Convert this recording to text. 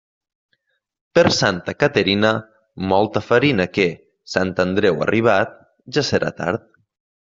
Per Santa Caterina, mol ta farina que, Sant Andreu arribat, ja serà tard.